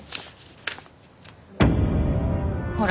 ほら。